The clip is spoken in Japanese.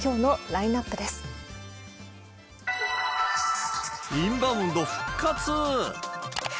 インバウンド復活。